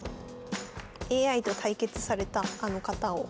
ＡＩと対決されたあの方を。